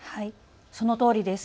そのとおりです。